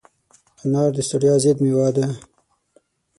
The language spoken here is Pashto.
انار د ستړیا ضد مېوه ده.